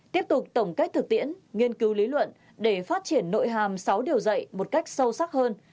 tiếp tục tổng kết thực tiễn nghiên cứu lý luận để phát triển nội hàm sáu điều dạy một cách sâu sắc hơn